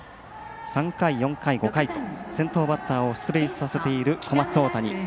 ３回４回５回と先頭バッターを出塁させている小松大谷。